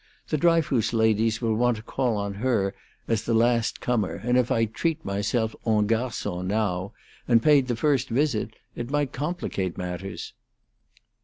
The Dryfoos ladies will want to call on her as the last comer, and if I treated myself 'en garcon' now, and paid the first visit, it might complicate matters."